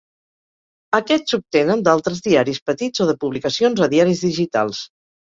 Aquests s'obtenen d'altres diaris petits o de publicacions a diaris digitals.